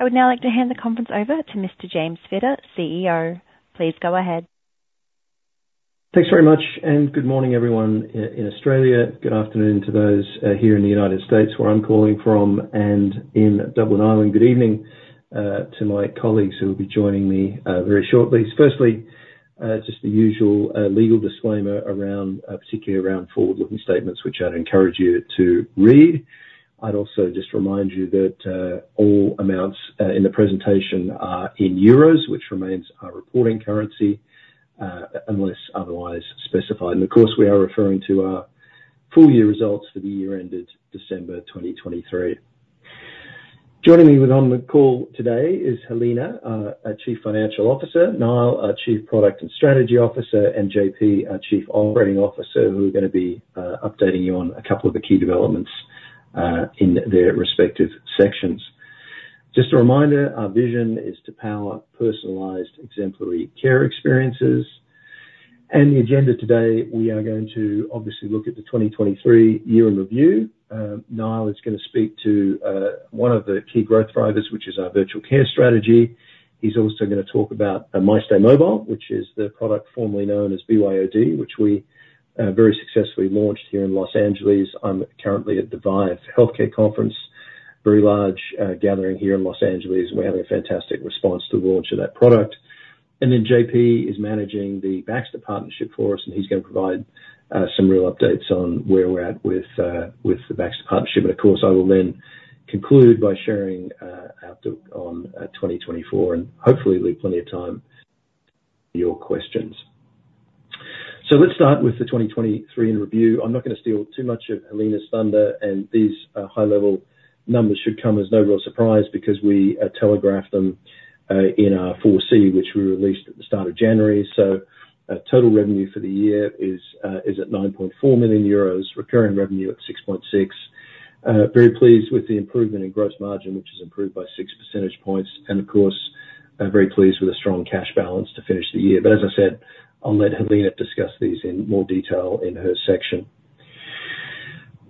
I would now like to hand the conference over to Mr. James Fitter, CEO. Please go ahead. Thanks very much, and good morning, everyone in Australia. Good afternoon to those here in the United States, where I'm calling from, and in Dublin, Ireland, good evening to my colleagues who will be joining me very shortly. Firstly, just the usual legal disclaimer around particularly around forward-looking statements, which I'd encourage you to read. I'd also just remind you that all amounts in the presentation are in euros, which remains our reporting currency unless otherwise specified. And of course, we are referring to our full year results for the year ended December 2023. Joining me on the call today is Helena, our Chief Financial Officer, Niall, our Chief Product and Strategy Officer, and JP, our Chief Operating Officer, who are gonna be updating you on a couple of the key developments in their respective sections. Just a reminder, our vision is to power personalized, exemplary care experiences. The agenda today, we are going to obviously look at the 2023 year in review. Niall is gonna speak to one of the key growth drivers, which is our virtual care strategy. He's also gonna talk about MyStay Mobile, which is the product formerly known as BYOD, which we very successfully launched here in Los Angeles. I'm currently at the ViVE Healthcare Conference, a very large gathering here in Los Angeles. We're having a fantastic response to the launch of that product. Then JP is managing the Baxter partnership for us, and he's gonna provide some real updates on where we're at with the Baxter partnership. Of course, I will then conclude by sharing our outlook on 2024, and hopefully leave plenty of time for your questions. Let's start with the 2023 in review. I'm not gonna steal too much of Helena's thunder, and these high-level numbers should come as no real surprise because we telegraphed them in our FY23, which we released at the start of January. Total revenue for the year is at 9.4 million euros, recurring revenue at 6.6 million. Very pleased with the improvement in gross margin, which has improved by 6 percentage points, and of course, very pleased with a strong cash balance to finish the year. But as I said, I'll let Helena discuss these in more detail in her section.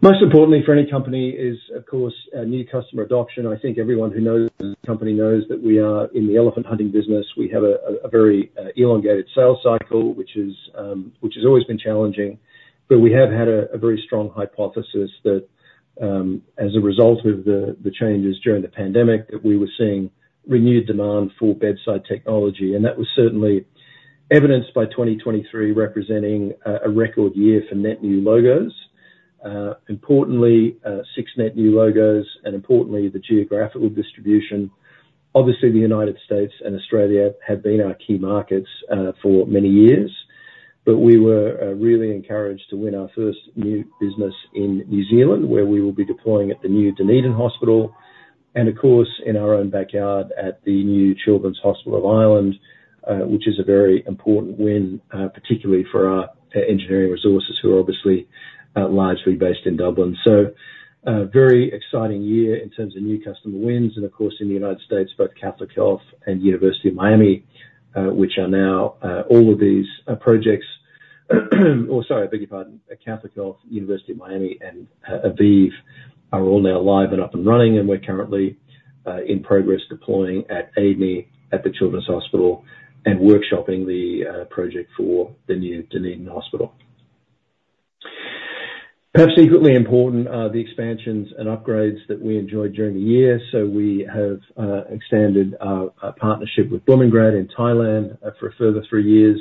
Most importantly for any company is, of course, new customer adoption. I think everyone who knows this company knows that we are in the elephant hunting business. We have a very elongated sales cycle, which has always been challenging. But we have had a very strong hypothesis that, as a result of the changes during the pandemic, that we were seeing renewed demand for bedside technology. And that was certainly evidenced by 2023 representing a record year for net new logos. Importantly, 6 net new logos, and importantly, the geographical distribution. Obviously, the United States and Australia have been our key markets for many years, but we were really encouraged to win our first new business in New Zealand, where we will be deploying at the new Dunedin Hospital. And of course, in our own backyard at the new Children's Hospital of Ireland, which is a very important win, particularly for our engineering resources, who are obviously largely based in Dublin. So, a very exciting year in terms of new customer wins. And of course, in the United States, both Catholic Health and University of Miami, which are now, all of these projects, oh, sorry, beg your pardon, Catholic Health, University of Miami, and Inova are all now live and up and running, and we're currently in progress deploying at Epworth, at the Children's Hospital, and workshopping the project for the new Dunedin Hospital. Perhaps equally important are the expansions and upgrades that we enjoyed during the year. So we have expanded our partnership with Bumrungrad in Thailand for a further three years.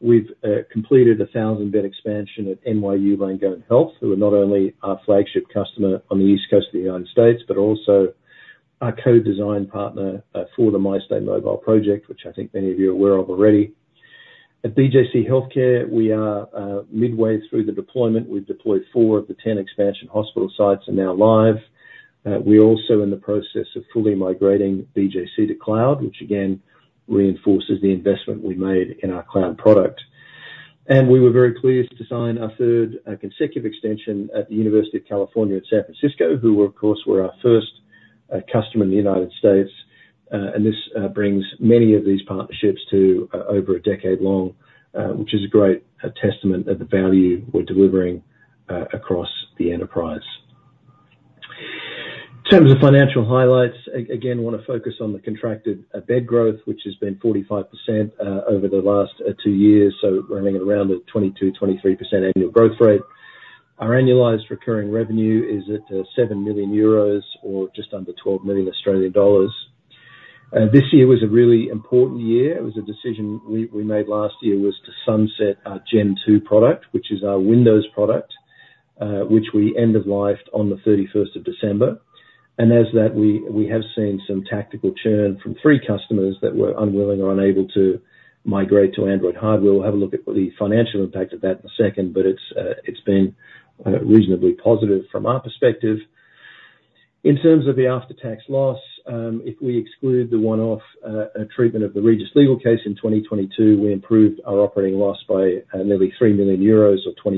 We've completed a 1,000-bed expansion at NYU Langone Health, who are not only our flagship customer on the East Coast of the United States, but also our co-design partner for the MyStay Mobile project, which I think many of you are aware of already. At BJC HealthCare, we are midway through the deployment. We've deployed four of the 10 expansion hospital sites are now live. We're also in the process of fully migrating BJC to cloud, which again, reinforces the investment we made in our cloud product. We were very pleased to sign our third consecutive extension at the University of California, San Francisco, who were, of course, our first customer in the United States. And this brings many of these partnerships to over a decade long, which is a great testament of the value we're delivering across the enterprise. In terms of financial highlights, again, I wanna focus on the contracted bed growth, which has been 45% over the last two years, so running at around a 22%-23% annual growth rate. Our annualized recurring revenue is at 7 million euros or just under 12 million Australian dollars. This year was a really important year. It was a decision we made last year to sunset our Gen Two product, which is our Windows product, which we end of life on the thirty-first of December. And as that, we have seen some tactical churn from three customers that were unwilling or unable to migrate to Android hardware. We'll have a look at the financial impact of that in a second, but it's, it's been, reasonably positive from our perspective. In terms of the after-tax loss, if we exclude the one-off, treatment of the Regis legal case in 2022, we improved our operating loss by, nearly 3 million euros or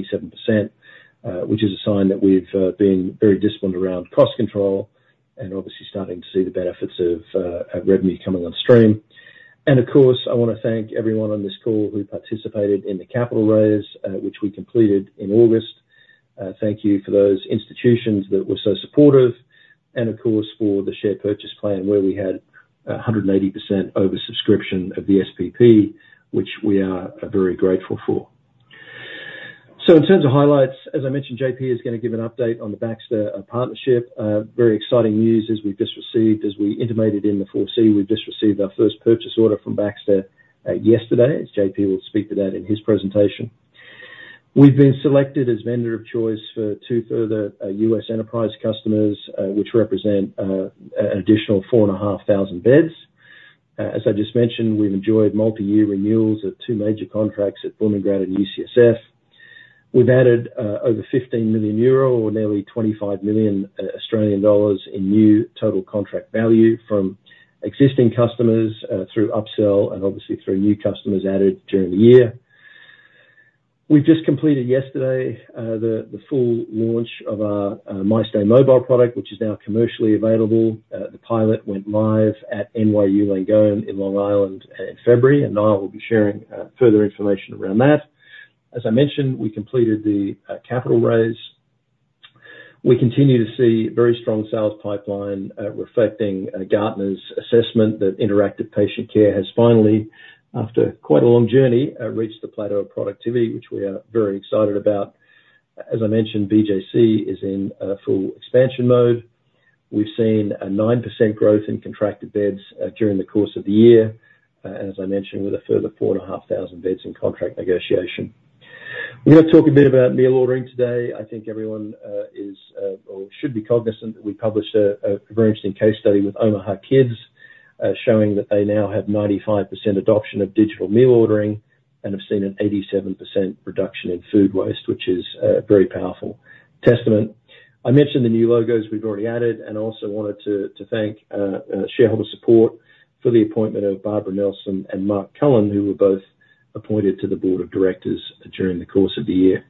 27%, which is a sign that we've, been very disciplined around cost control and obviously starting to see the benefits of, our revenue coming on stream. And of course, I wanna thank everyone on this call who participated in the capital raise, which we completed in August.... Thank you for those institutions that were so supportive, and of course, for the share purchase plan, where we had, a 180% oversubscription of the SPP, which we are, are very grateful for. So in terms of highlights, as I mentioned, JP is gonna give an update on the Baxter partnership. Very exciting news as we've just received, as we intimated in the forecast, we've just received our first purchase order from Baxter yesterday, as JP will speak to that in his presentation. We've been selected as vendor of choice for two further U.S. enterprise customers, which represent an additional 4,500 beds. As I just mentioned, we've enjoyed multi-year renewals of two major contracts at Bumrungrad and UCSF. We've added over 15 million euro or nearly 25 million Australian dollars in new total contract value from existing customers through upsell and obviously through new customers added during the year. We've just completed yesterday the full launch of our MyStay Mobile product, which is now commercially available. The pilot went live at NYU Langone in Long Island in February, and Niall will be sharing further information around that. As I mentioned, we completed the capital raise. We continue to see very strong sales pipeline, reflecting Gartner's assessment that interactive patient care has finally, after quite a long journey, reached the plateau of productivity, which we are very excited about. As I mentioned, BJC is in full expansion mode. We've seen a 9% growth in contracted beds during the course of the year, and as I mentioned, with a further 4,500 beds in contract negotiation. We're going to talk a bit about meal ordering today. I think everyone is or should be cognizant that we published a very interesting case study with Omaha Kids, showing that they now have 95% adoption of digital meal ordering and have seen an 87% reduction in food waste, which is a very powerful testament. I mentioned the new logos we've already added, and I also wanted to thank shareholder support for the appointment of Barbara Nelson and Mark Cullen, who were both appointed to the board of directors during the course of the year.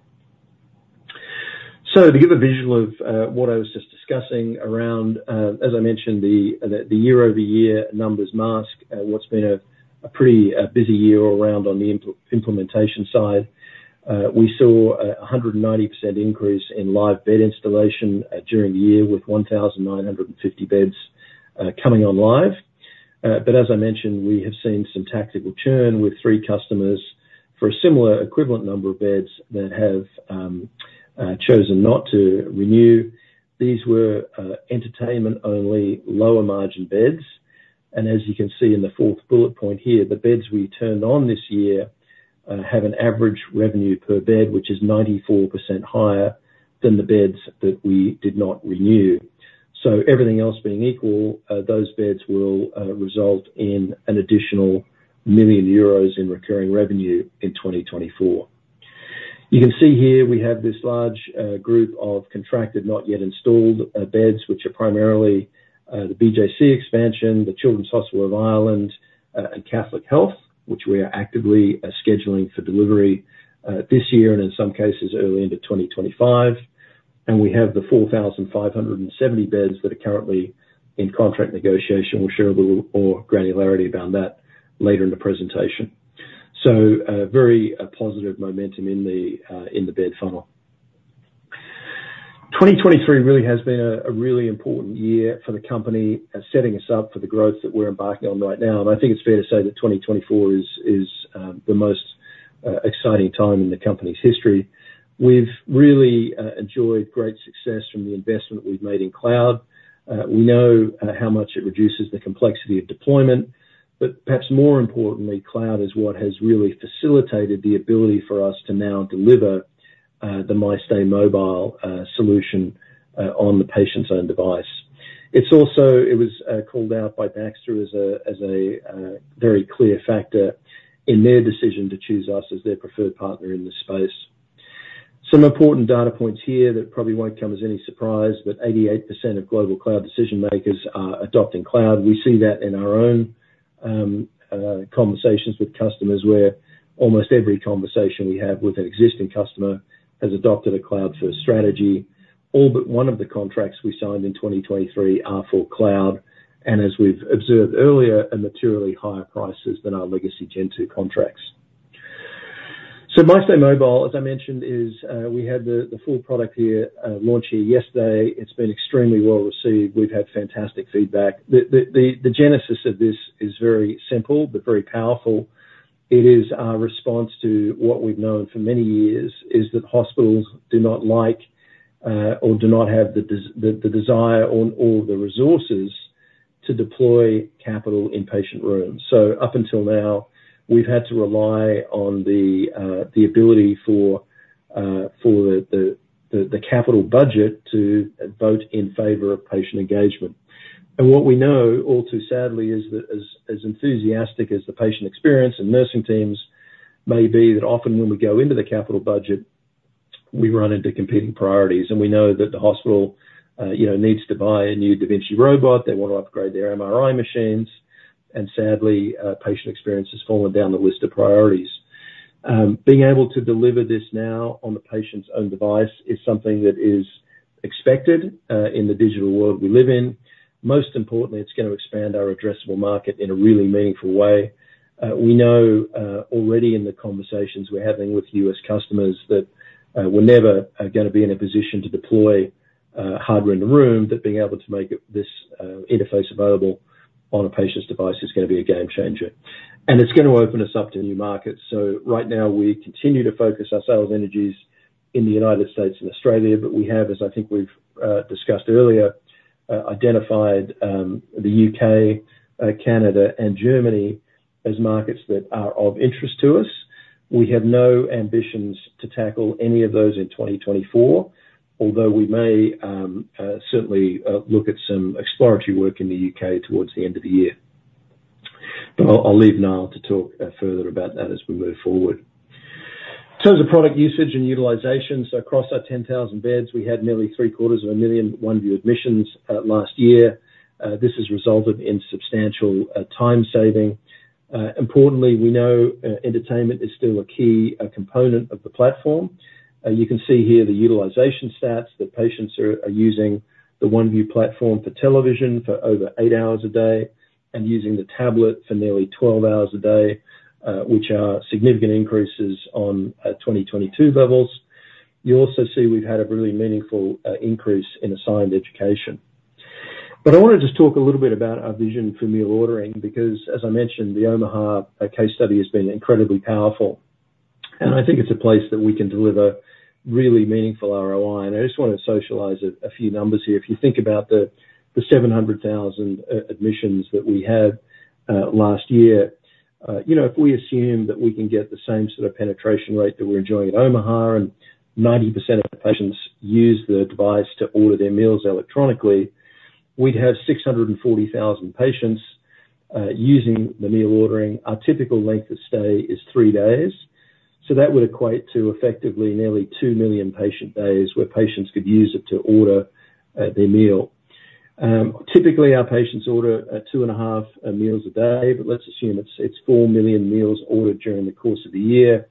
So to give a visual of what I was just discussing around, as I mentioned, the year-over-year numbers mask what's been a pretty busy year all around on the implementation side. We saw a 190% increase in live bed installation during the year, with 1,950 beds coming on live. But as I mentioned, we have seen some tactical churn with three customers for a similar equivalent number of beds that have chosen not to renew. These were entertainment-only, lower-margin beds, and as you can see in the fourth bullet point here, the beds we turned on this year have an average revenue per bed, which is 94% higher than the beds that we did not renew. So everything else being equal, those beds will result in an additional 1 million euros in recurring revenue in 2024. You can see here we have this large group of contracted, not yet installed beds, which are primarily the BJC expansion, the Children's Hospital of Ireland, and Catholic Health, which we are actively scheduling for delivery this year, and in some cases, early into 2025. We have the 4,570 beds that are currently in contract negotiation. We'll share a little more granularity about that later in the presentation. So, very positive momentum in the bed funnel. 2023 really has been a really important year for the company, setting us up for the growth that we're embarking on right now, and I think it's fair to say that 2024 is the most exciting time in the company's history. We've really enjoyed great success from the investment we've made in cloud. We know how much it reduces the complexity of deployment, but perhaps more importantly, cloud is what has really facilitated the ability for us to now deliver the MyStay Mobile solution on the patient's own device. It's also... It was called out by Baxter as a very clear factor in their decision to choose us as their preferred partner in this space. Some important data points here that probably won't come as any surprise, but 88% of global cloud decision makers are adopting cloud. We see that in our own conversations with customers, where almost every conversation we have with an existing customer has adopted a cloud-first strategy. All but one of the contracts we signed in 2023 are for cloud, and as we've observed earlier, at materially higher prices than our legacy Gen Two contracts. So MyStay Mobile, as I mentioned, we had the full product launch here yesterday. It's been extremely well received. We've had fantastic feedback. The genesis of this is very simple but very powerful. It is our response to what we've known for many years, is that hospitals do not like or do not have the desire or the resources to deploy capital in patient rooms. So up until now, we've had to rely on the ability for the capital budget to vote in favor of patient engagement. What we know, all too sadly, is that as enthusiastic as the patient experience and nursing teams may be, that often when we go into the capital budget, we run into competing priorities, and we know that the hospital, you know, needs to buy a new da Vinci robot, they want to upgrade their MRI machines, and sadly, patient experience has fallen down the list of priorities. Being able to deliver this now on the patient's own device is something that is expected in the digital world we live in. Most importantly, it's going to expand our addressable market in a really meaningful way. We know already in the conversations we're having with US customers that we're never gonna be in a position to deploy hardware in the room, that being able to make it, this, interface available on a patient's device is gonna be a game changer. And it's gonna open us up to new markets. So right now, we continue to focus our sales energies in the United States and Australia, but we have, as I think we've discussed earlier, identified the UK, Canada and Germany as markets that are of interest to us. We have no ambitions to tackle any of those in 2024, although we may certainly look at some exploratory work in the UK towards the end of the year. But I'll leave Niall to talk further about that as we move forward. In terms of product usage and utilization, so across our 10,000 beds, we had nearly 750,000 OneView admissions last year. This has resulted in substantial time saving. Importantly, we know entertainment is still a key component of the platform. You can see here the utilization stats that patients are using the OneView platform for television for over 8 hours a day, and using the tablet for nearly 12 hours a day, which are significant increases on 2022 levels. You also see we've had a really meaningful increase in assigned education. But I want to just talk a little bit about our vision for meal ordering, because as I mentioned, the Omaha case study has been incredibly powerful, and I think it's a place that we can deliver really meaningful ROI. I just want to socialize a few numbers here. If you think about the 700,000 admissions that we had last year, you know, if we assume that we can get the same sort of penetration rate that we're enjoying at Omaha, and 90% of the patients use the device to order their meals electronically, we'd have 640,000 patients using the meal ordering. Our typical length of stay is 3 days, so that would equate to effectively nearly 2 million patient days, where patients could use it to order their meal. Typically, our patients order 2.5 meals a day, but let's assume it's 4 million meals ordered during the course of the year.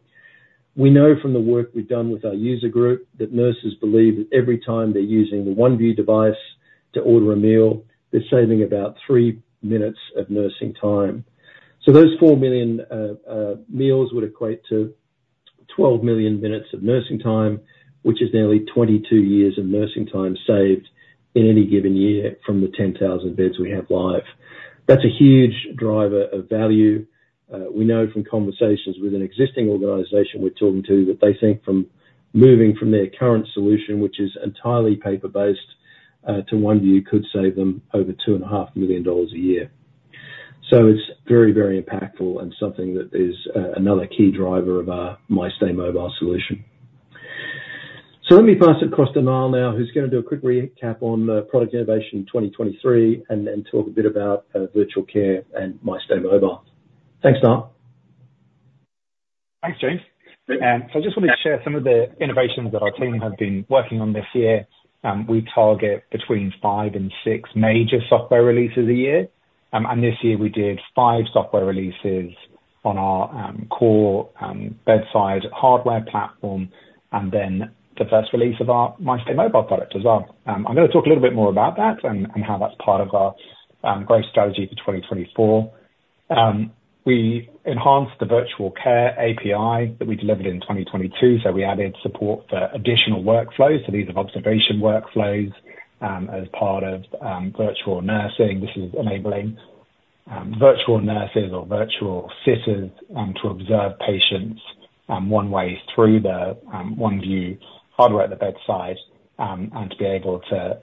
We know from the work we've done with our user group, that nurses believe that every time they're using the OneView device to order a meal, they're saving about 3 minutes of nursing time. So those 4 million meals would equate to 12 million minutes of nursing time, which is nearly 22 years of nursing time saved in any given year from the 10,000 beds we have live. That's a huge driver of value. We know from conversations with an existing organization we're talking to, that they think from moving from their current solution, which is entirely paper-based, to OneView, could save them over $2.5 million a year. So it's very, very impactful and something that is another key driver of our MyStay Mobile solution. Let me pass it across to Niall now, who's gonna do a quick recap on product innovation in 2023, and then talk a bit about virtual care and MyStay Mobile. Thanks, Niall. Thanks, James. So I just wanted to share some of the innovations that our team have been working on this year. We target between 5 and 6 major software releases a year. And this year we did 5 software releases on our core bedside hardware platform, and then the first release of our MyStay Mobile product as well. I'm gonna talk a little bit more about that, and how that's part of our growth strategy for 2024. We enhanced the virtual care API that we delivered in 2022, so we added support for additional workflows. So these are observation workflows as part of virtual nursing. This is enabling virtual nurses or virtual sitters to observe patients one way through the OneView hardware at the bedside. To be able to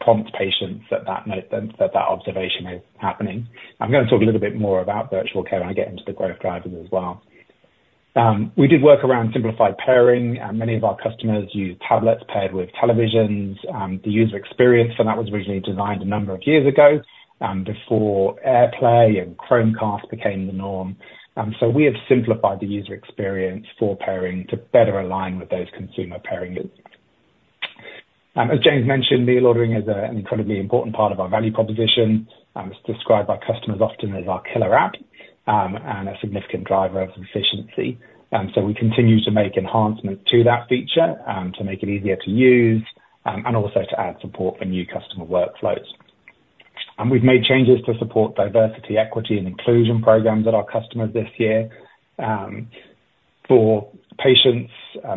prompt patients at that moment, that observation is happening. I'm gonna talk a little bit more about virtual care when I get into the growth drivers as well. We did work around simplified pairing, and many of our customers use tablets paired with televisions, the user experience, and that was originally designed a number of years ago, before AirPlay and Chromecast became the norm. So we have simplified the user experience for pairing to better align with those consumer pairing needs. As James mentioned, meal ordering is an incredibly important part of our value proposition; it's described by customers often as our killer app. And a significant driver of efficiency. So we continue to make enhancements to that feature, to make it easier to use, and also to add support for new customer workflows. We've made changes to support diversity, equity, and inclusion programs with our customers this year. For patients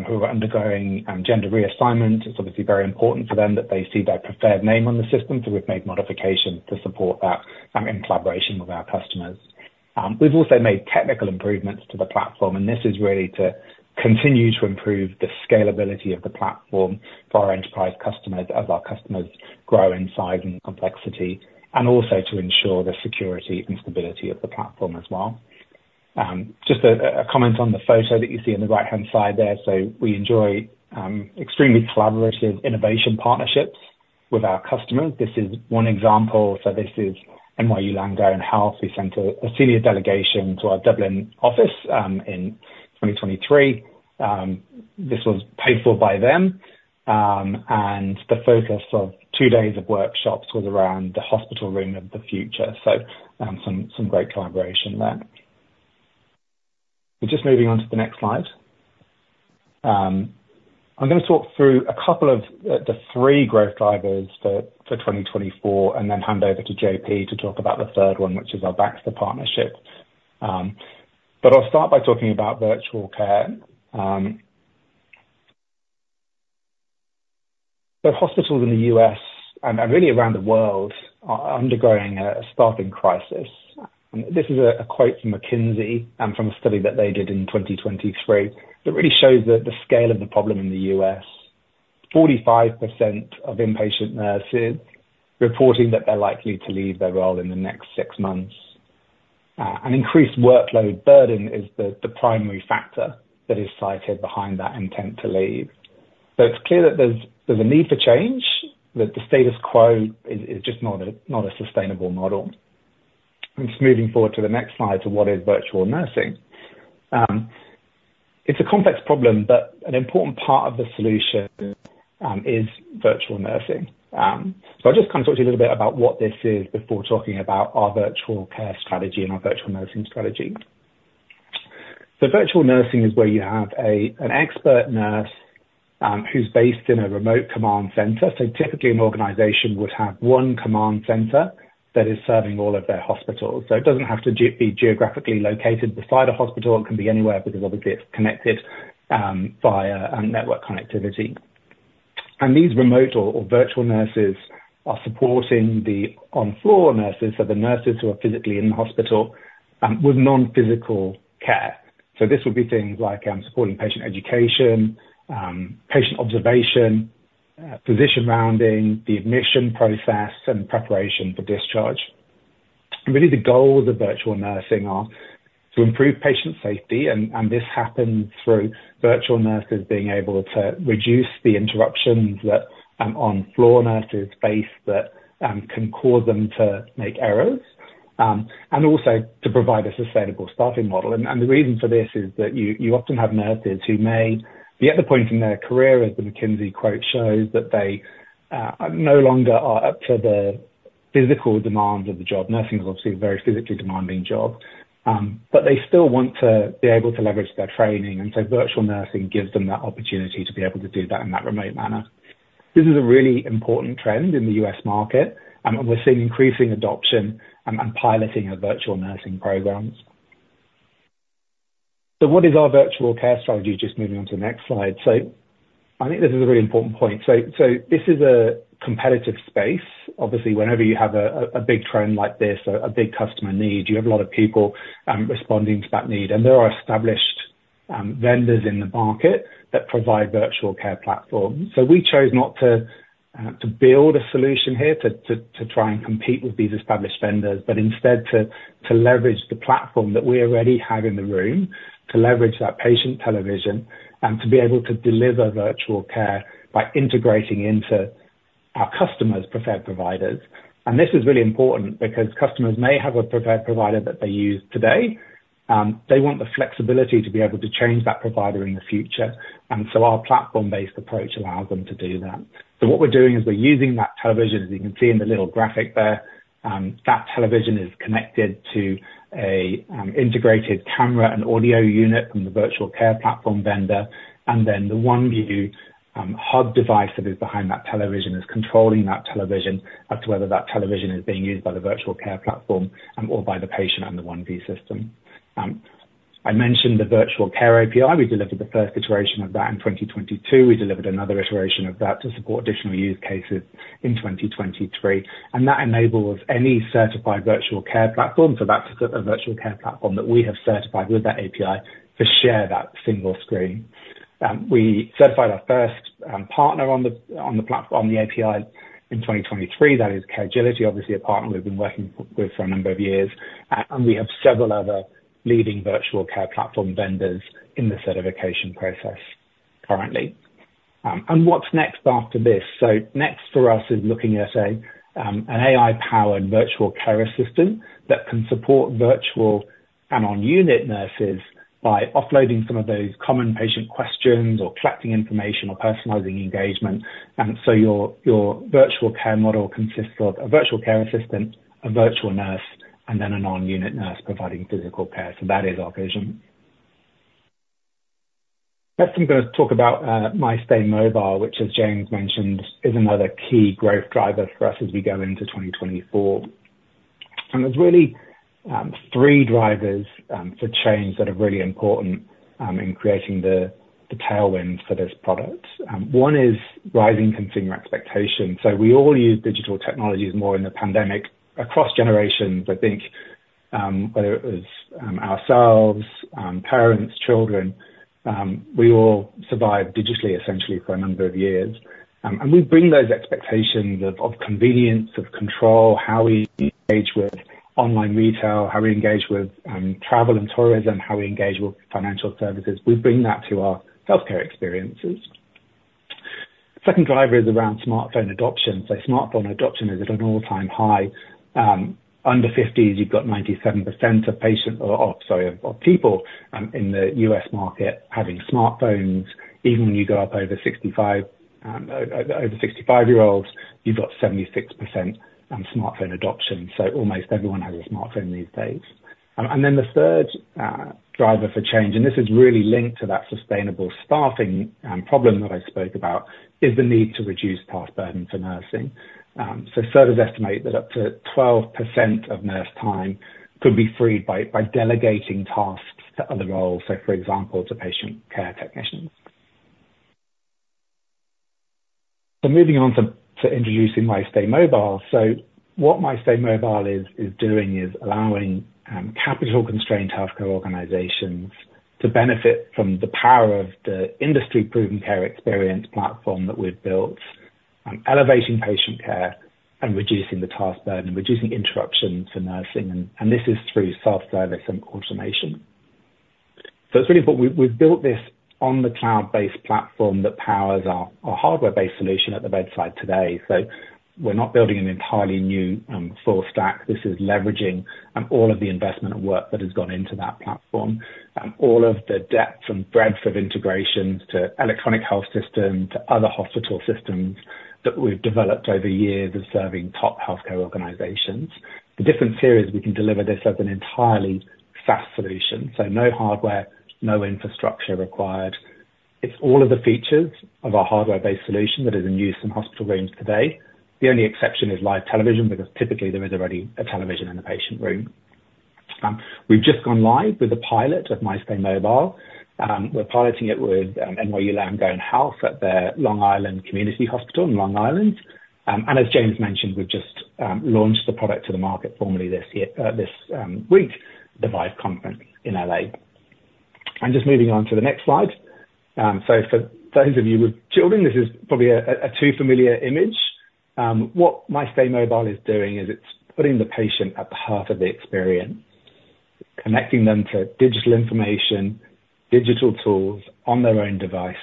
who are undergoing gender reassignment, it's obviously very important for them that they see their preferred name on the system, so we've made modifications to support that, in collaboration with our customers. We've also made technical improvements to the platform, and this is really to continue to improve the scalability of the platform for our enterprise customers, as our customers grow in size and complexity, and also to ensure the security and stability of the platform as well. Just a comment on the photo that you see on the right-hand side there. So we enjoy extremely collaborative innovation partnerships with our customers. This is one example. So this is NYU Langone Health. We sent a senior delegation to our Dublin office in 2023. This was paid for by them, and the focus of two days of workshops was around the hospital room of the future. So some great collaboration there. We're just moving on to the next slide. I'm gonna talk through a couple of the three growth drivers for 2024, and then hand over to JP to talk about the third one, which is our Baxter partnership. But I'll start by talking about virtual care. But hospitals in the US and really around the world are undergoing a staffing crisis. This is a quote from McKinsey and from a study that they did in 2023. It really shows the scale of the problem in the U.S. 45% of inpatient nurses reporting that they're likely to leave their role in the next six months. And increased workload burden is the primary factor that is cited behind that intent to leave. So it's clear that there's a need for change, that the status quo is just not a sustainable model. Just moving forward to the next slide, to what is virtual nursing? It's a complex problem, but an important part of the solution is virtual nursing. So I'll just kind of talk to you a little bit about what this is before talking about our virtual care strategy and our virtual nursing strategy. So virtual nursing is where you have an expert nurse who's based in a remote command center. Typically, an organization would have one command center that is serving all of their hospitals. It doesn't have to be geographically located beside a hospital, it can be anywhere, because obviously it's connected via network connectivity. These remote or virtual nurses are supporting the on-floor nurses, so the nurses who are physically in the hospital with non-physical care. This will be things like supporting patient education, patient observation, physician rounding, the admission process, and preparation for discharge. Really the goals of virtual nursing are to improve patient safety, and this happens through virtual nurses being able to reduce the interruptions that on-floor nurses face that can cause them to make errors, and also to provide a sustainable staffing model. And the reason for this is that you often have nurses who may be at the point in their career, as the McKinsey quote shows, that they no longer are up for the physical demands of the job. Nursing is obviously a very physically demanding job, but they still want to be able to leverage their training, and so virtual nursing gives them that opportunity to be able to do that in that remote manner. This is a really important trend in the U.S. market, and we're seeing increasing adoption and piloting of virtual nursing programs. So what is our virtual care strategy? Just moving on to the next slide. So I think this is a really important point. So this is a competitive space. Obviously, whenever you have a big trend like this or a big customer need, you have a lot of people responding to that need. And there are established vendors in the market that provide virtual care platforms. So we chose not to build a solution here to try and compete with these established vendors, but instead to leverage the platform that we already have in the room, to leverage that patient television, and to be able to deliver virtual care by integrating into our customers' preferred providers. This is really important because customers may have a preferred provider that they use today, they want the flexibility to be able to change that provider in the future, and so our platform-based approach allows them to do that. So what we're doing is we're using that television, as you can see in the little graphic there, that television is connected to a integrated camera and audio unit from the virtual care platform vendor, and then the OneView hub device that is behind that television is controlling that television as to whether that television is being used by the virtual care platform, or by the patient on the OneView system. I mentioned the virtual care API. We delivered the first iteration of that in 2022. We delivered another iteration of that to support additional use cases in 2023, and that enables any certified virtual care platform, so that's a virtual care platform that we have certified with that API, to share that single screen. We certified our first partner on the API in 2023. That is Caregility, obviously a partner we've been working with for a number of years. And we have several other leading virtual care platform vendors in the certification process currently. And what's next after this? So next for us is looking at an AI-powered virtual care assistant that can support virtual and on-unit nurses by offloading some of those common patient questions or collecting information or personalizing engagement. So your virtual care model consists of a virtual care assistant, a virtual nurse, and then an on-unit nurse providing physical care. So that is our vision. Next, I'm gonna talk about MyStay Mobile, which, as James mentioned, is another key growth driver for us as we go into 2024. There's really three drivers for change that are really important in creating the tailwind for this product. One is rising consumer expectations. So we all used digital technologies more in the pandemic across generations. I think whether it was ourselves, parents, children, we all survived digitally, essentially, for a number of years. We bring those expectations of convenience, of control, how we engage with online retail, how we engage with travel and tourism, how we engage with financial services. We bring that to our healthcare experiences. The second driver is around smartphone adoption. So smartphone adoption is at an all-time high. Under fifties, you've got 97% of people in the U.S. market having smartphones. Even when you go up over 65, over 65-year-olds, you've got 76% smartphone adoption, so almost everyone has a smartphone these days. And then the third driver for change, and this is really linked to that sustainable staffing problem that I spoke about, is the need to reduce task burden to nursing. So surveys estimate that up to 12% of nurse time could be freed by delegating tasks to other roles, so for example, to patient care technicians. So moving on to introducing MyStay Mobile. So what MyStay Mobile is doing is allowing capital-constrained healthcare organizations to benefit from the power of the industry-proven care experience platform that we've built, elevating patient care and reducing the task burden, reducing interruptions to nursing, and this is through self-service and automation. So it's really important. We've built this on the cloud-based platform that powers our hardware-based solution at the bedside today. So we're not building an entirely new full stack. This is leveraging all of the investment and work that has gone into that platform, all of the depth and breadth of integrations to electronic health systems, to other hospital systems that we've developed over years of serving top healthcare organizations. The difference here is we can deliver this as an entirely fast solution, so no hardware, no infrastructure required. It's all of the features of our hardware-based solution that is in use in hospital rooms today. The only exception is live television, because typically there is already a television in the patient room. We've just gone live with a pilot of MyStay Mobile. We're piloting it with NYU Langone Health at the Long Island Community Hospital in Long Island. And as James mentioned, we've just launched the product to the market formally this year, this week, the ViVE Conference in L.A. And just moving on to the next slide. So for those of you with children, this is probably a too familiar image. What MyStay Mobile is doing is it's putting the patient at the heart of the experience, connecting them to digital information, digital tools on their own device,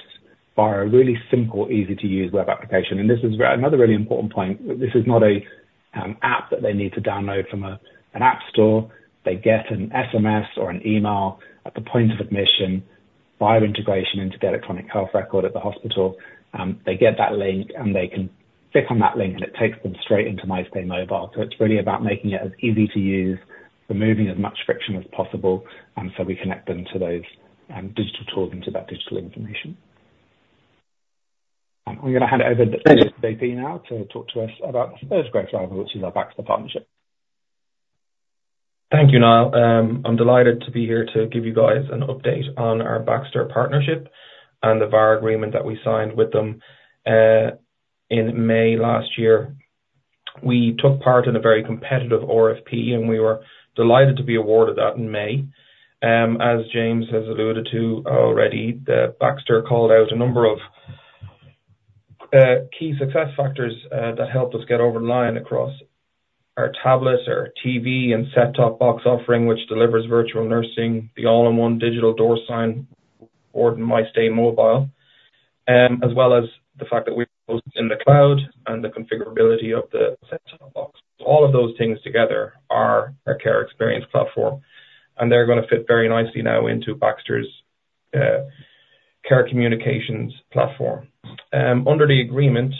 via a really simple, easy-to-use web application. This is another really important point. This is not an app that they need to download from an app store. They get an SMS or an email at the point of admission, via integration into the electronic health record at the hospital. They get that link, and they can click on that link, and it takes them straight into MyStay Mobile. So it's really about making it as easy to use, removing as much friction as possible, and so we connect them to those digital tools and to that digital information. I'm gonna hand it over to JP now, to talk to us about the first growth driver, which is our Baxter partnership. Thank you, Niall. I'm delighted to be here to give you guys an update on our Baxter partnership and the buyer agreement that we signed with them in May last year. We took part in a very competitive RFP, and we were delighted to be awarded that in May. As James has alluded to already, that Baxter called out a number of key success factors that helped us get over the line, across our tablets, our TV and set-top box offering, which delivers virtual nursing, the all-in-one digital door sign, or MyStay Mobile, as well as the fact that we're both in the cloud and the configurability of the set-top box. All of those things together are our Care Experience Platform, and they're gonna fit very nicely now into Baxter's care communications platform. Under the agreement,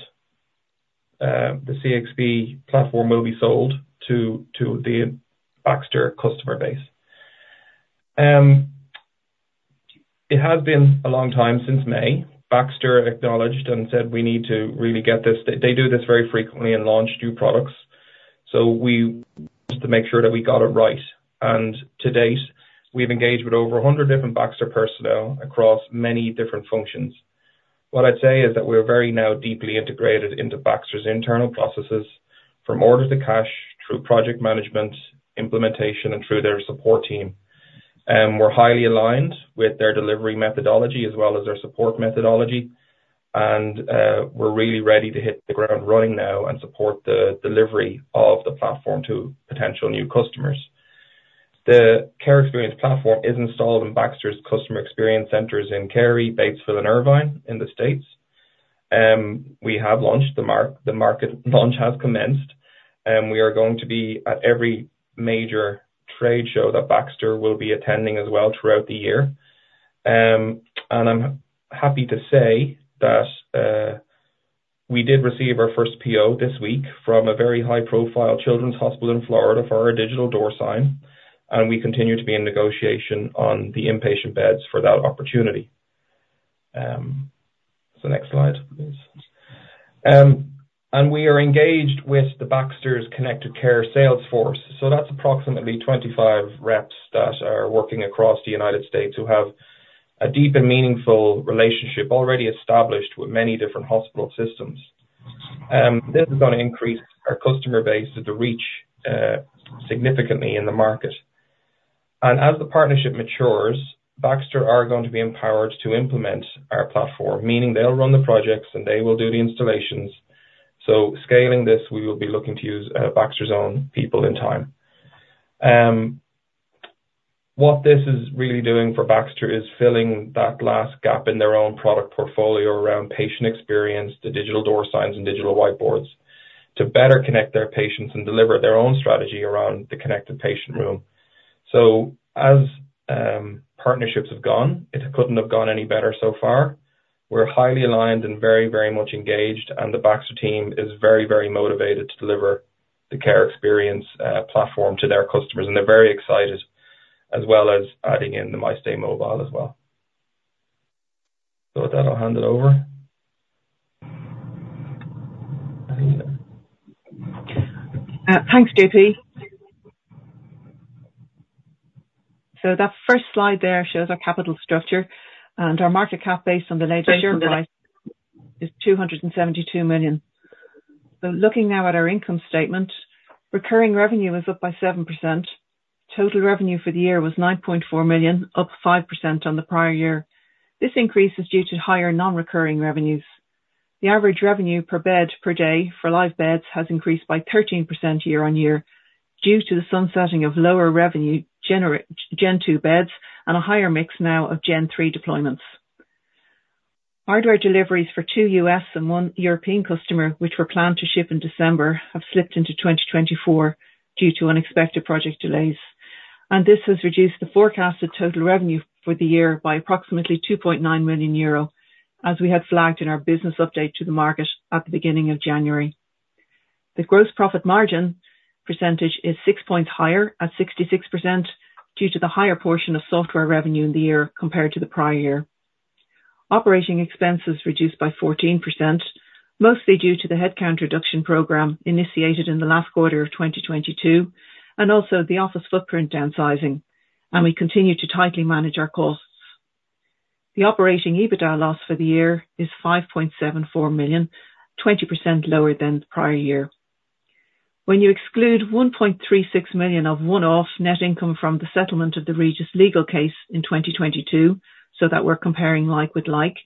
the CXP platform will be sold to the Baxter customer base. It has been a long time since May. Baxter acknowledged and said, "We need to really get this..." They do this very frequently and launch new products, so... Just to make sure that we got it right. To date, we've engaged with over 100 different Baxter personnel across many different functions. What I'd say is that we're very now deeply integrated into Baxter's internal processes, from order to cash, through project management, implementation, and through their support team. We're highly aligned with their delivery methodology, as well as their support methodology, and we're really ready to hit the ground running now and support the delivery of the platform to potential new customers. The care experience platform is installed in Baxter's customer experience centers in Cary, Batesville and Irvine in the States. We have launched the market launch has commenced, and we are going to be at every major trade show that Baxter will be attending as well throughout the year. And I'm happy to say that we did receive our first PO this week from a very high-profile children's hospital in Florida for our digital door sign, and we continue to be in negotiation on the inpatient beds for that opportunity. So next slide, please. And we are engaged with the Baxter's connected care sales force, so that's approximately 25 reps that are working across the United States, who have a deep and meaningful relationship already established with many different hospital systems. This is gonna increase our customer base and the reach significantly in the market. And as the partnership matures, Baxter are going to be empowered to implement our platform, meaning they'll run the projects, and they will do the installations. So scaling this, we will be looking to use Baxter's own people in time. What this is really doing for Baxter is filling that last gap in their own product portfolio around patient experience, the digital door signs and digital whiteboards, to better connect their patients and deliver their own strategy around the connected patient room. So as partnerships have gone, it couldn't have gone any better so far.... We're highly aligned and very, very much engaged, and the Baxter team is very, very motivated to deliver the Care Experience Platform to their customers, and they're very excited, as well as adding in the MyStay Mobile as well. So with that, I'll hand it over. Thanks, JP. So that first slide there shows our capital structure, and our market cap, based on the latest share price, is 272 million. So looking now at our income statement, recurring revenue is up by 7%. Total revenue for the year was 9.4 million, up 5% on the prior year. This increase is due to higher non-recurring revenues. The average revenue per bed per day for live beds has increased by 13% year-on-year, due to the sunsetting of lower revenue Gen Two beds, and a higher mix now of Gen Three deployments. Hardware deliveries for two US and one European customer, which were planned to ship in December, have slipped into 2024 due to unexpected project delays, and this has reduced the forecasted total revenue for the year by approximately 2.9 million euro, as we had flagged in our business update to the market at the beginning of January. The gross profit margin percentage is 6 points higher at 66%, due to the higher portion of software revenue in the year compared to the prior year. Operating expenses reduced by 14%, mostly due to the headcount reduction program initiated in the last quarter of 2022, and also the office footprint downsizing, and we continue to tightly manage our costs. The operating EBITDA loss for the year is 5.74 million, 20% lower than the prior year. When you exclude 1.36 million of one-off net income from the settlement of the Regis legal case in 2022, so that we're comparing like with like,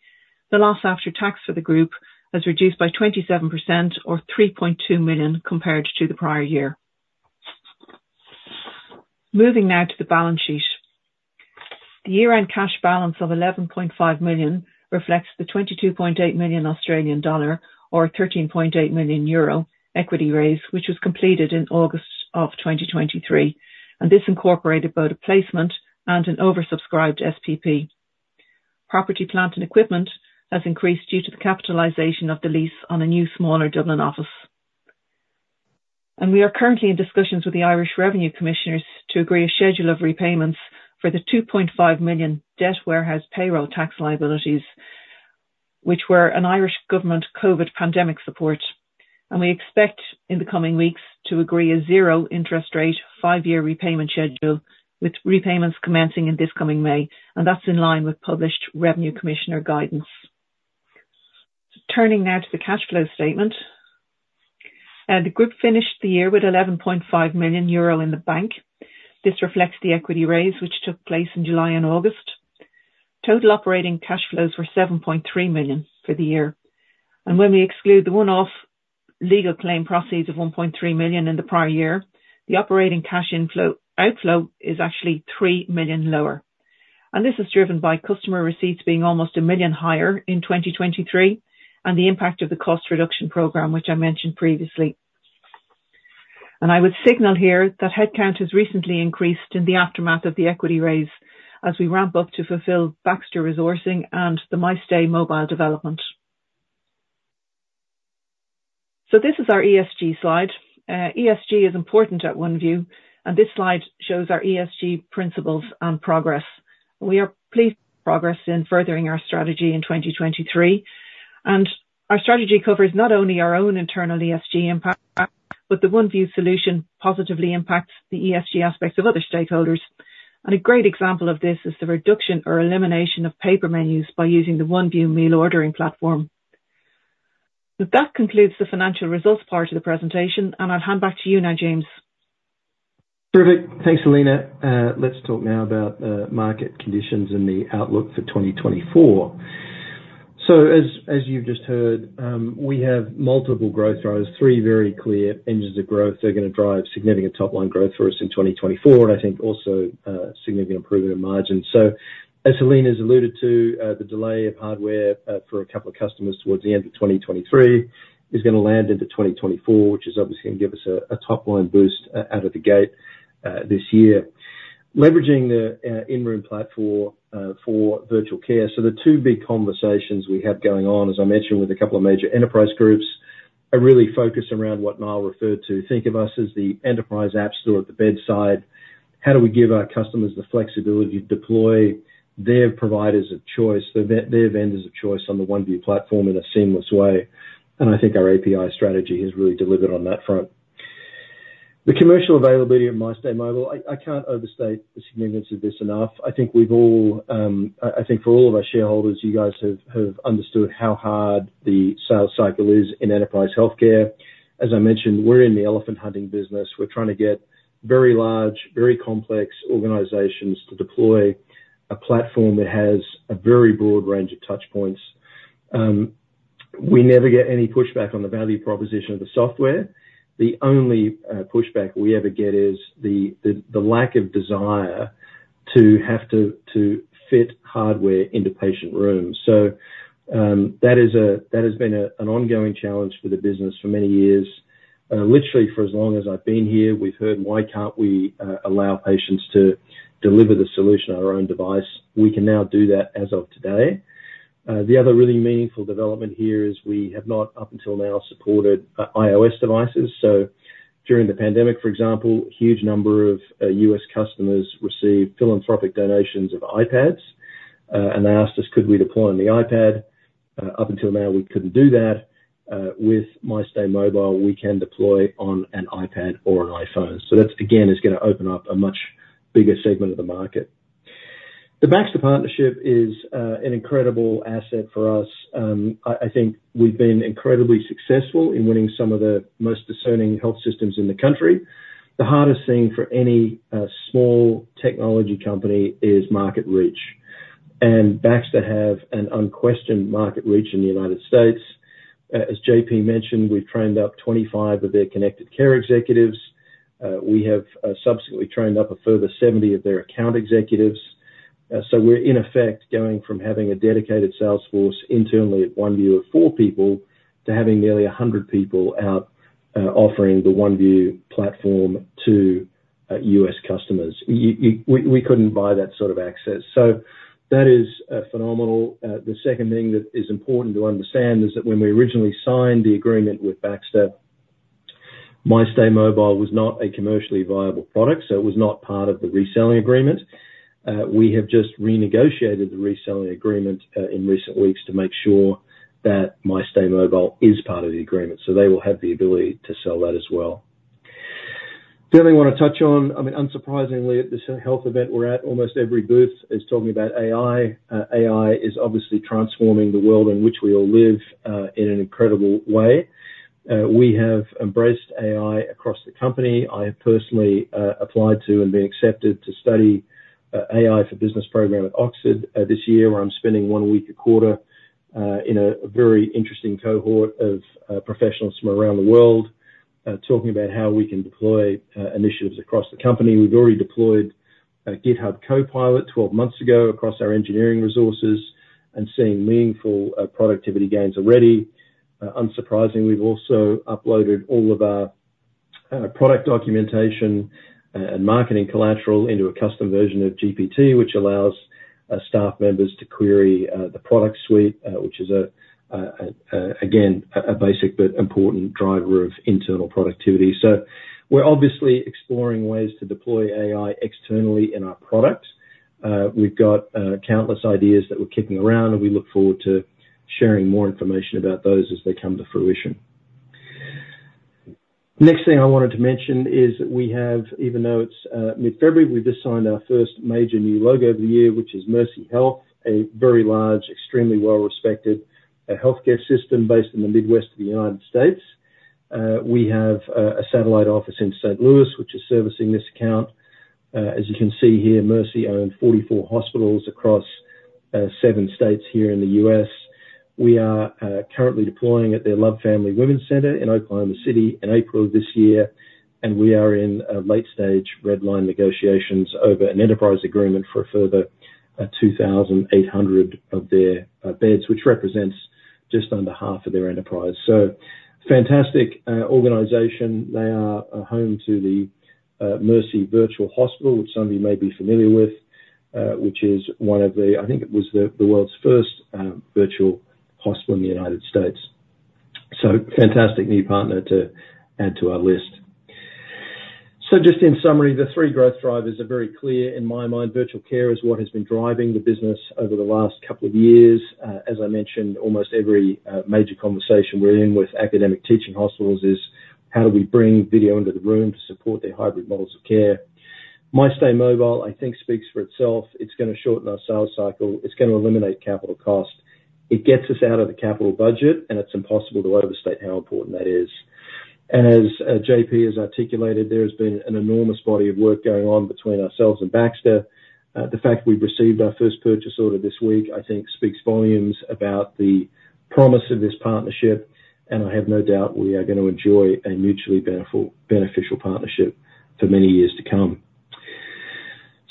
the loss after tax for the group has reduced by 27% or 3.2 million compared to the prior year. Moving now to the balance sheet. The year-end cash balance of 11.5 million reflects the 22.8 million Australian dollar, or 13.8 million euro equity raise, which was completed in August of 2023, and this incorporated both a placement and an oversubscribed SPP. Property, plant, and equipment has increased due to the capitalization of the lease on a new, smaller Dublin office. We are currently in discussions with the Irish Revenue Commissioners to agree a schedule of repayments for the 2.5 million debt warehouse payroll tax liabilities, which were an Irish government COVID pandemic support. We expect, in the coming weeks, to agree a zero interest rate, five-year repayment schedule, with repayments commencing in this coming May, and that's in line with published revenue commissioner guidance. Turning now to the cash flow statement. The group finished the year with 11.5 million euro in the bank. This reflects the equity raise, which took place in July and August. Total operating cash flows were 7.3 million for the year, and when we exclude the one-off legal claim proceeds of 1.3 million in the prior year, the operating cash inflow-outflow is actually 3 million lower. This is driven by customer receipts being almost 1 million higher in 2023, and the impact of the cost reduction program, which I mentioned previously. I would signal here that headcount has recently increased in the aftermath of the equity raise as we ramp up to fulfill Baxter resourcing and the MyStay Mobile development. This is our ESG slide. ESG is important at OneView, and this slide shows our ESG principles and progress. We are pleased with progress in furthering our strategy in 2023, and our strategy covers not only our own internal ESG impact, but the OneView solution positively impacts the ESG aspects of other stakeholders. A great example of this is the reduction or elimination of paper menus by using the OneView meal ordering platform. That concludes the financial results part of the presentation, and I'll hand back to you now, James. Perfect. Thanks, Helena. Let's talk now about market conditions and the outlook for 2024. So as you've just heard, we have multiple growth drivers, three very clear engines of growth that are gonna drive significant top-line growth for us in 2024, and I think also significant improvement in margins. So as Helena has alluded to, the delay of hardware for a couple of customers towards the end of 2023 is gonna land into 2024, which is obviously going to give us a top-line boost out of the gate this year. Leveraging the in-room platform for virtual care. So the two big conversations we have going on, as I mentioned, with a couple of major enterprise groups, are really focused around what Niall referred to: think of us as the enterprise app store at the bedside. How do we give our customers the flexibility to deploy their providers of choice, so their vendors of choice on the OneView platform in a seamless way? And I think our API strategy has really delivered on that front. The commercial availability of MyStay Mobile, I can't overstate the significance of this enough. I think we've all, I think for all of our shareholders, you guys have understood how hard the sales cycle is in enterprise healthcare. As I mentioned, we're in the elephant hunting business. We're trying to get very large, very complex organizations to deploy a platform that has a very broad range of touch points. We never get any pushback on the value proposition of the software. The only pushback we ever get is the lack of desire to have to fit hardware into patient rooms. So, that has been an ongoing challenge for the business for many years. Literally, for as long as I've been here, we've heard, why can't we allow patients to deliver the solution on our own device? We can now do that as of today. The other really meaningful development here is we have not, up until now, supported iOS devices. So during the pandemic, for example, a huge number of US customers received philanthropic donations of iPads, and they asked us, could we deploy on the iPad? Up until now, we couldn't do that. With MyStay Mobile, we can deploy on an iPad or an iPhone. So that, again, is gonna open up a much bigger segment of the market. The Baxter partnership is an incredible asset for us. I think we've been incredibly successful in winning some of the most discerning health systems in the country. The hardest thing for any small technology company is market reach, and Baxter have an unquestioned market reach in the United States. As JP mentioned, we've trained up 25 of their connected care executives. We have subsequently trained up a further 70 of their account executives. So we're in effect going from having a dedicated sales force internally at OneView of 4 people to having nearly 100 people out offering the OneView platform to U.S. customers. We couldn't buy that sort of access, so that is phenomenal. The second thing that is important to understand is that when we originally signed the agreement with Baxter, MyStay Mobile was not a commercially viable product, so it was not part of the reselling agreement. We have just renegotiated the reselling agreement, in recent weeks to make sure that MyStay Mobile is part of the agreement, so they will have the ability to sell that as well. The other thing I wanna touch on, I mean, unsurprisingly, at this health event we're at, almost every booth is talking about AI. AI is obviously transforming the world in which we all live, in an incredible way. We have embraced AI across the company. I have personally applied to and been accepted to study AI for business program at Oxford this year, where I'm spending 1 week a quarter in a very interesting cohort of professionals from around the world talking about how we can deploy initiatives across the company. We've already deployed GitHub Copilot 12 months ago across our engineering resources and seeing meaningful productivity gains already. Unsurprisingly, we've also uploaded all of our product documentation and marketing collateral into a custom version of GPT, which allows staff members to query the product suite, which is again a basic but important driver of internal productivity. So we're obviously exploring ways to deploy AI externally in our products. We've got countless ideas that we're kicking around, and we look forward to sharing more information about those as they come to fruition. Next thing I wanted to mention is that we have, even though it's mid-February, we've just signed our first major new logo of the year, which is Mercy Health, a very large, extremely well-respected healthcare system based in the Midwest of the United States. We have a satellite office in St. Louis, which is servicing this account. As you can see here, Mercy owns 44 hospitals across seven states here in the US. We are currently deploying at their Love Family Women's Center in Oklahoma City in April this year, and we are in late stage red line negotiations over an enterprise agreement for a further 2,800 of their beds, which represents just under half of their enterprise. So fantastic organization. They are a home to the Mercy Virtual Hospital, which some of you may be familiar with, which is one of the... I think it was the world's first virtual hospital in the United States. So fantastic new partner to add to our list. So just in summary, the three growth drivers are very clear in my mind. Virtual care is what has been driving the business over the last couple of years. As I mentioned, almost every major conversation we're in with academic teaching hospitals is, how do we bring video into the room to support their hybrid models of care? MyStay Mobile, I think, speaks for itself. It's gonna shorten our sales cycle. It gets us out of the capital budget, and it's impossible to overstate how important that is. And as JP has articulated, there has been an enormous body of work going on between ourselves and Baxter. The fact we've received our first purchase order this week, I think speaks volumes about the promise of this partnership, and I have no doubt we are gonna enjoy a mutually beneficial, beneficial partnership for many years to come.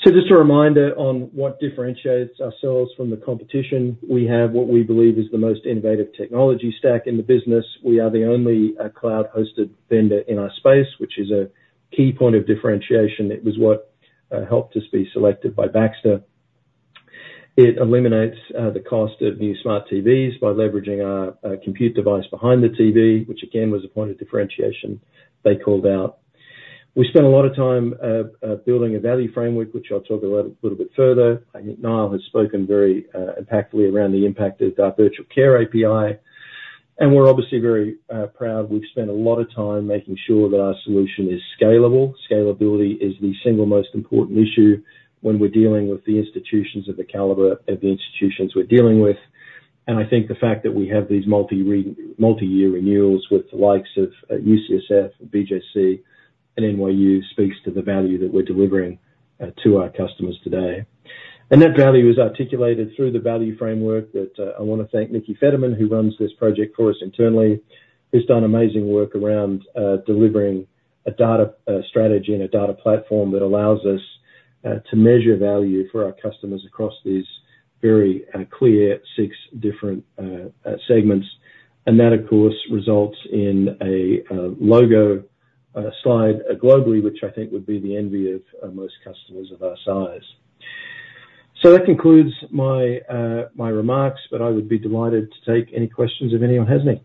So just a reminder on what differentiates ourselves from the competition. We have what we believe is the most innovative technology stack in the business. We are the only cloud-hosted vendor in our space, which is a key point of differentiation. It was what helped us be selected by Baxter. It eliminates the cost of new smart TVs by leveraging our compute device behind the TV, which, again, was a point of differentiation they called out. We spent a lot of time building a value framework, which I'll talk a little bit further. I think Niall has spoken very impactfully around the impact of our virtual care API, and we're obviously very proud. We've spent a lot of time making sure that our solution is scalable. Scalability is the single most important issue when we're dealing with the institutions of the caliber of the institutions we're dealing with. I think the fact that we have these multi-year renewals with the likes of UCSF, BJC, and NYU speaks to the value that we're delivering to our customers today. That value is articulated through the value framework that I wanna thank Nikki Fetterman, who runs this project for us internally. Who's done amazing work around delivering a data strategy and a data platform that allows us to measure value for our customers across these very clear six different segments. That, of course, results in a logo slide globally, which I think would be the envy of most customers of our size. So that concludes my remarks, but I would be delighted to take any questions if anyone has any.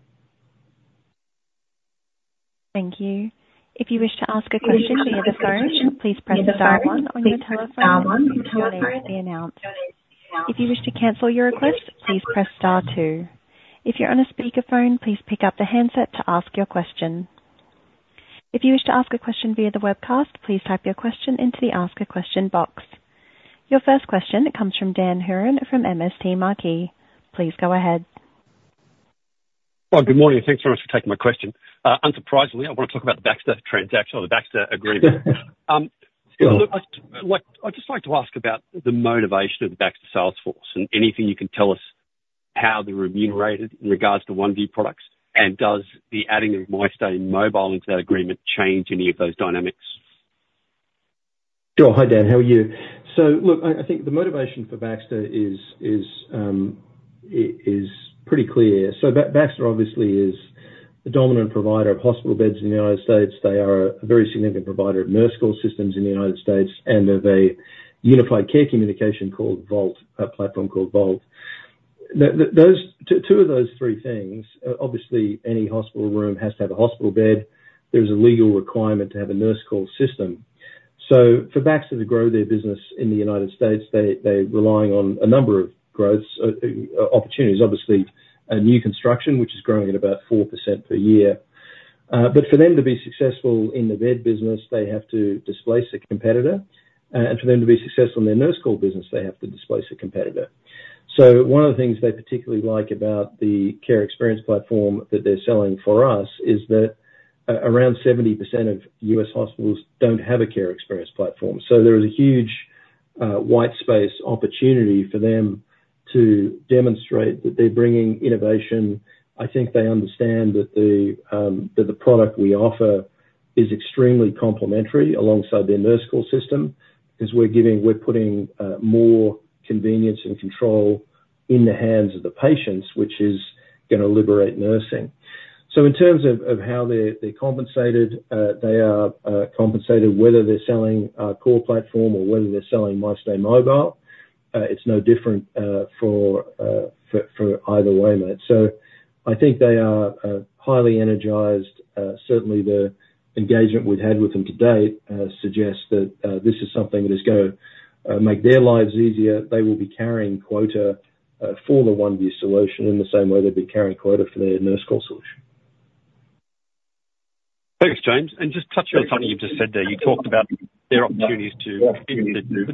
Thank you. If you wish to ask a question via the phone, please press star one on your telephone set when your name is announced. If you wish to cancel your request, please press star two. If you're on a speakerphone, please pick up the handset to ask your question. If you wish to ask a question via the webcast, please type your question into the Ask a Question box. Your first question comes from Dan Hurren, from MST Marquee. Please go ahead. Well, good morning, and thanks so much for taking my question. Unsurprisingly, I want to talk about the Baxter transaction or the Baxter agreement. Look, I'd just like to ask about the motivation of the Baxter sales force, and anything you can tell us how they're remunerated in regards to OneView products, and does the adding of MyStay Mobile into that agreement change any of those dynamics? Sure. Hi, Dan, how are you? So look, I think the motivation for Baxter is pretty clear. So Baxter obviously is the dominant provider of hospital beds in the United States. They are a very significant provider of nurse call systems in the United States, and they have a unified care communication called Voalte, a platform called Voalte. Those two of those three things obviously any hospital room has to have a hospital bed. There's a legal requirement to have a nurse call system. So for Baxter to grow their business in the United States, they're relying on a number of growth opportunities. Obviously, a new construction, which is growing at about 4% per year. But for them to be successful in the bed business, they have to displace a competitor, and for them to be successful in their nurse call business, they have to displace a competitor. So one of the things they particularly like about the Care Experience Platform that they're selling for us is that around 70% of U.S. hospitals don't have a Care Experience Platform. So there is a huge white space opportunity for them to demonstrate that they're bringing innovation. I think they understand that the product we offer is extremely complementary alongside their nurse call system, because we're putting more convenience and control in the hands of the patients, which is gonna liberate nursing. So in terms of how they're compensated, they are compensated, whether they're selling our core platform or whether they're selling MyStay Mobile. It's no different for either way, mate. So I think they are highly energized. Certainly the engagement we've had with them to date suggests that this is something that is gonna make their lives easier. They will be carrying quota for the OneView solution, in the same way they'd be carrying quota for their nurse call solution. Thanks, James, and just touch on something you've just said there. You talked about their opportunities to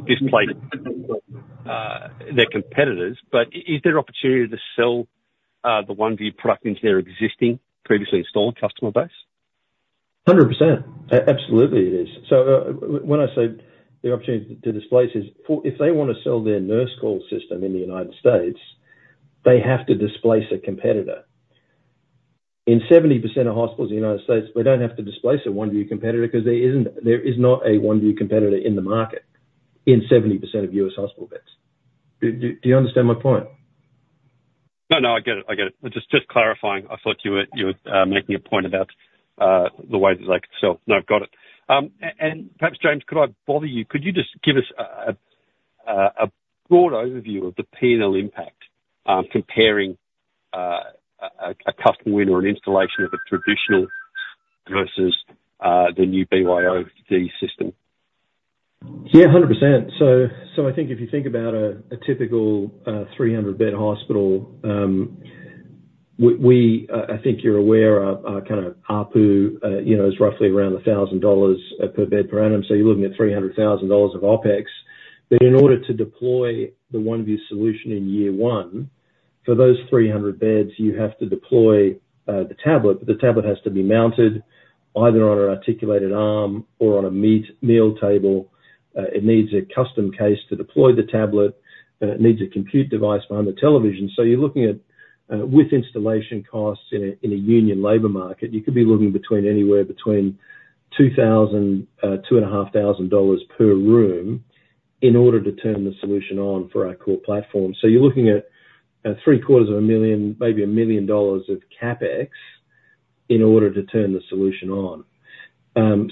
display their competitors, but is there opportunity to sell the OneView product into their existing previously installed customer base? 100%. Absolutely it is. So, when I say the opportunity to displace is for... If they want to sell their nurse call system in the United States, they have to displace a competitor. In 70% of hospitals in the United States, they don't have to displace a OneView competitor, because there isn't... There is not a OneView competitor in the market, in 70% of U.S. hospital beds. Do you understand my point? No, no, I get it. I get it. Just clarifying. I thought you were making a point about the way that they could sell. No, got it. And perhaps, James, could I bother you? Could you just give us a broad overview of the P&L impact, comparing a customer win or an installation of a traditional versus the new BYOD system? Yeah, 100%. So, I think if you think about a typical 300-bed hospital, I think you're aware of, our kind of APU, you know, is roughly around $1,000 per bed per annum, so you're looking at $300,000 of OpEx. But in order to deploy the OneView solution in year one, for those 300 beds, you have to deploy the tablet. The tablet has to be mounted either on an articulated arm or on a meal table. It needs a custom case to deploy the tablet, and it needs a compute device behind the television. So you're looking at, with installation costs in a, in a union labor market, you could be looking between anywhere between $2,000-$2,500 per room, in order to turn the solution on for our core platform. So you're looking at $750,000, maybe $1 million of CapEx, in order to turn the solution on.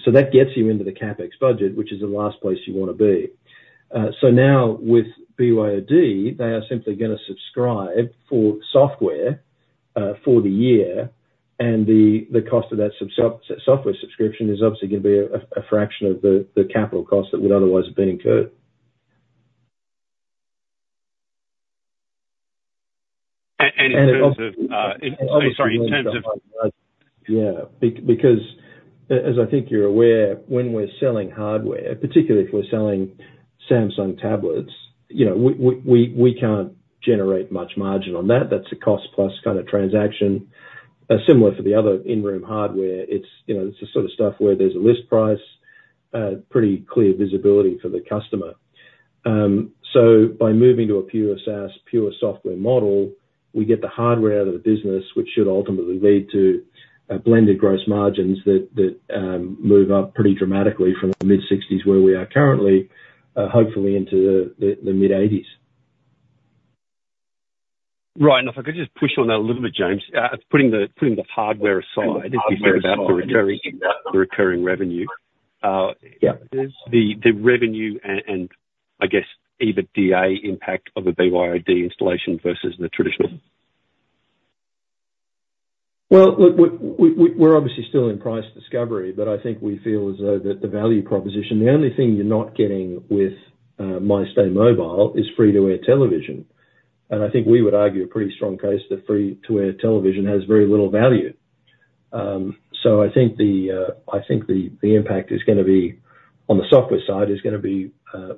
So that gets you into the CapEx budget, which is the last place you want to be. So now with BYOD, they are simply gonna subscribe for software for the year, and the cost of that software subscription is obviously gonna be a fraction of the capital cost that would otherwise have been incurred. And in terms of... Sorry, in terms of- Yeah. Because as I think you're aware, when we're selling hardware, particularly if we're selling Samsung tablets, you know, we can't generate much margin on that. That's a cost plus kind of transaction. Similar for the other in-room hardware, it's the sort of stuff where there's a list price, pretty clear visibility for the customer. So by moving to a pure SaaS, pure software model, we get the hardware out of the business, which should ultimately lead to blended gross margins that move up pretty dramatically from the mid-60s, where we are currently, hopefully into the mid-80s. Right. If I could just push on that a little bit, James. Putting the hardware aside, as you said, about the recurring revenue, Yeah. The revenue and, I guess, EBITDA impact of a BYOD installation versus the traditional? Well, look, we're obviously still in price discovery, but I think we feel as though the value proposition, the only thing you're not getting with MyStay Mobile is free to air television. And I think we would argue a pretty strong case that free to air television has very little value. So I think the impact is gonna be, on the software side, is gonna be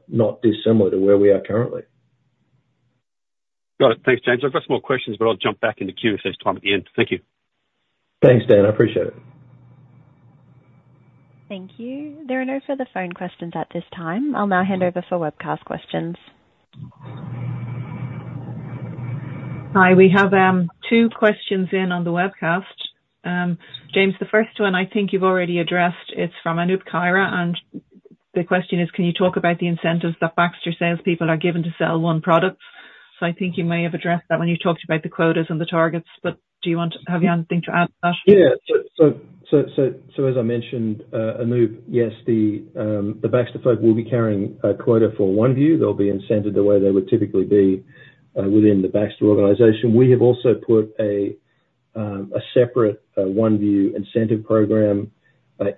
not dissimilar to where we are currently. Got it. Thanks, James. I've got some more questions, but I'll jump back in the queue if there's time at the end. Thank you. Thanks, Dan. I appreciate it. Thank you. There are no further phone questions at this time. I'll now hand over for webcast questions. Hi, we have two questions in on the webcast. James, the first one, I think you've already addressed. It's from Anup Khera, and the question is: Can you talk about the incentives that Baxter salespeople are given to sell OneView? So I think you may have addressed that when you talked about the quotas and the targets, but do you want... Have you anything to add to that? Yeah. So as I mentioned, Anup, yes, the Baxter folks will be carrying a quota for OneView. They'll be incented the way they would typically be within the Baxter organization. We have also put a separate OneView incentive program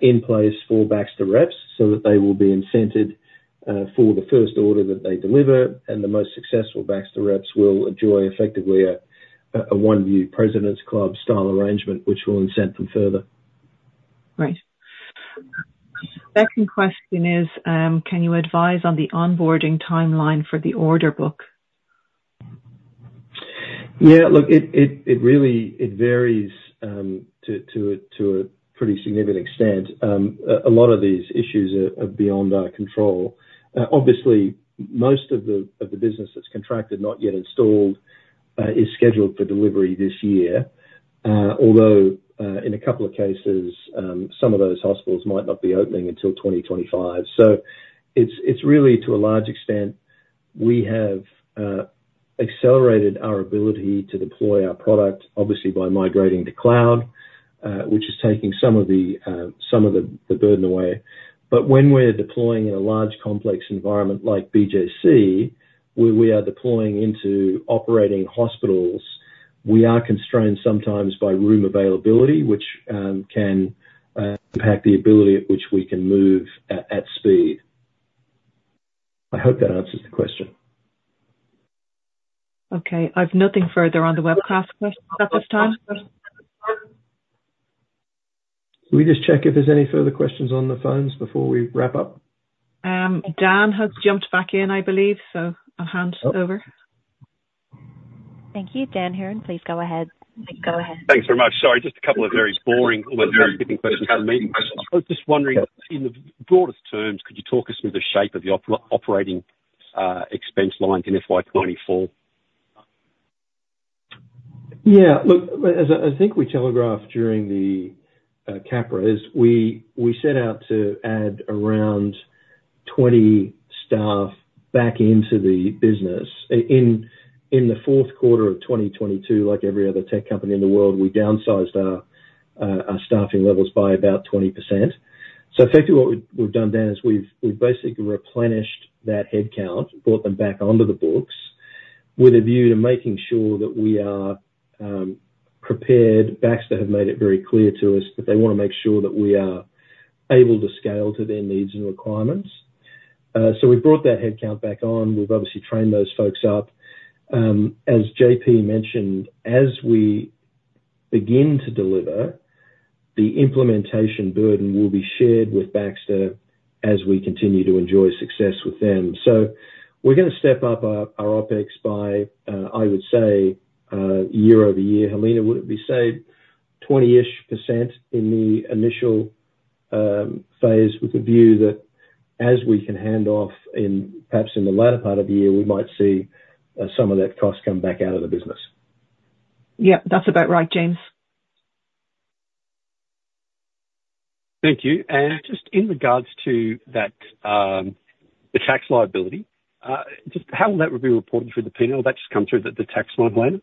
in place for Baxter reps, so that they will be incented for the first order that they deliver, and the most successful Baxter reps will enjoy effectively a OneView President's Club-style arrangement, which will incent them further. Right. Second question is: Can you advise on the onboarding timeline for the order book? Yeah, look, it really varies to a pretty significant extent. A lot of these issues are beyond our control. Obviously, most of the business that's contracted, not yet installed, is scheduled for delivery this year. Although, in a couple of cases, some of those hospitals might not be opening until 2025. So it's really, to a large extent, we have accelerated our ability to deploy our product, obviously by migrating to cloud, which is taking some of the burden away. But when we're deploying in a large, complex environment like BJC, where we are deploying into operating hospitals, we are constrained sometimes by room availability, which can impact the ability at which we can move at speed. I hope that answers the question. Okay, I've nothing further on the webcast questions at this time. Can we just check if there's any further questions on the phones before we wrap up? Dan has jumped back in, I believe, so I'll hand it over. Thank you. Dan Hurren, please go ahead. Go ahead. Thanks very much. Sorry, just a couple of very boring questions from me. I was just wondering, in the broadest terms, could you talk us through the shape of the operating expense lines in FY 2024? Yeah, look, as I think we telegraphed during the CAPRA, we set out to add around 20 staff back into the business. In the fourth quarter of 2022, like every other tech company in the world, we downsized our staffing levels by about 20%. So effectively what we've done, Dan, is we've basically replenished that headcount, brought them back onto the books, with a view to making sure that we are prepared. Baxter have made it very clear to us that they wanna make sure that we are able to scale to their needs and requirements. So we've brought that headcount back on. We've obviously trained those folks up. As JP mentioned, as we begin to deliver, the implementation burden will be shared with Baxter as we continue to enjoy success with them. We're gonna step up our, our OpEx by, I would say, year-over-year. Helena, would it be, say, 20-ish% in the initial, phase, with a view that as we can hand off in, perhaps in the latter part of the year, we might see, some of that cost come back out of the business? Yeah, that's about right, James. Thank you. And just in regards to that, the tax liability, just how will that be reported through the P&L? Will that just come through the tax line later?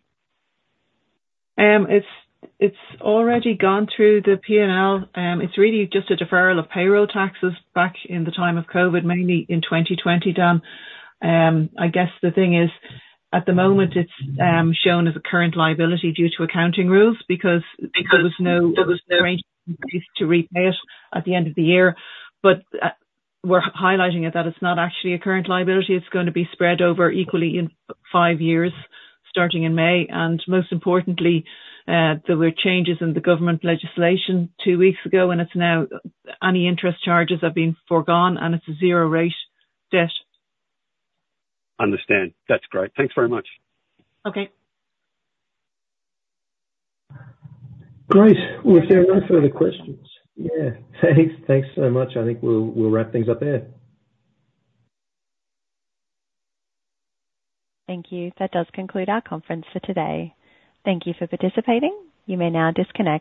It's already gone through the P&L. It's really just a deferral of payroll taxes back in the time of COVID, mainly in 2020, Dan. I guess the thing is, at the moment, it's shown as a current liability due to accounting rules, because there was no arrangement to repay it at the end of the year. But we're highlighting it, that it's not actually a current liability. It's gonna be spread over equally in 5 years, starting in May. And most importantly, there were changes in the government legislation two weeks ago, and it's now any interest charges have been forgone, and it's a zero rate debt. Understand. That's great. Thanks very much. Okay. Great. Well, if there are no further questions, yeah, thanks, thanks so much. I think we'll, we'll wrap things up there. Thank you. That does conclude our conference for today. Thank you for participating. You may now disconnect.